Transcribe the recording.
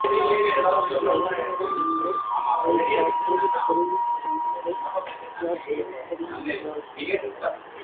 பயன்மரம் உள்ளுர்ப் பழுத்தற்றால் செல்வம் நயனுடை யான்கட் படின் என்றார்.